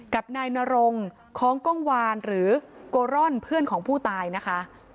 กับนายนรงคล้องกล้องวานหรือโกร่อนเพื่อนของผู้ตายนะคะ